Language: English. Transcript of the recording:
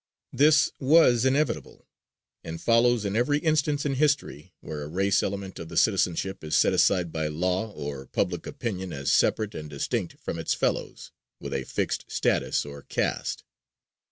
This was inevitable, and follows in every instance in history where a race element of the citizenship is set aside by law or public opinion as separate and distinct from its fellows, with a fixed status or caste.